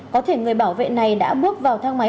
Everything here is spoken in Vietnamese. có thể người bảo vệ này đã bước vào thang máy